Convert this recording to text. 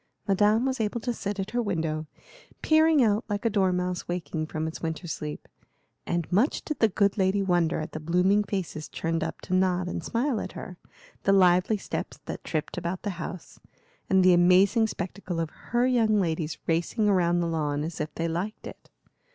Madame was able to sit at her window, peering out like a dormouse waking from its winter sleep; and much did the good lady wonder at the blooming faces turned up to nod and smile at her, the lively steps that tripped about the house, and the amazing spectacle of her young ladies racing round the lawn as if they liked it.